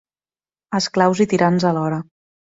Esclaus i tirans alhora.